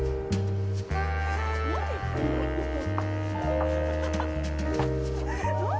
何言ってんの？